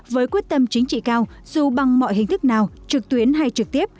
với quyết tâm chính trị cao dù bằng mọi hình thức nào trực tuyến hay trực tiếp